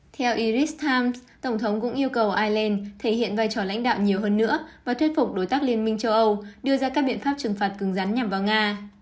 theo iris times tổng thống cũng yêu cầu ireland thể hiện vai trò lãnh đạo nhiều hơn nữa và thuyết phục đối tác liên minh châu âu đưa ra các biện pháp trừng phạt cứng rắn nhằm vào nga